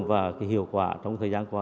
và cái hiệu quả trong thời gian qua